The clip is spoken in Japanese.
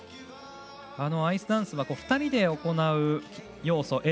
アイスダンスは２人で行う要素